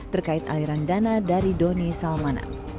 terkait aliran dana dari doni salmanan